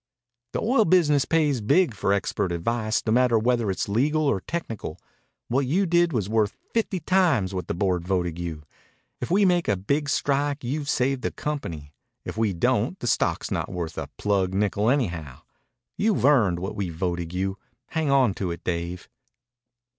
"The oil business pays big for expert advice, no matter whether it's legal or technical. What you did was worth fifty times what the board voted you. If we make a big strike you've saved the company. If we don't the stock's not worth a plugged nickel anyhow. You've earned what we voted you. Hang on to it, Dave."